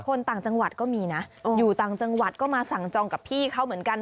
คนต่างจังหวัดก็มีนะอยู่ต่างจังหวัดก็มาสั่งจองกับพี่เขาเหมือนกัน